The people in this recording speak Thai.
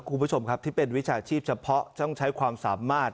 คุณผู้ชมครับที่เป็นวิชาชีพเฉพาะต้องใช้ความสามารถ